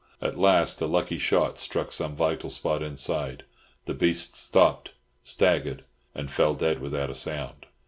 At last a lucky shot struck some vital spot inside; the beast stopped, staggered, and fell dead without a sound.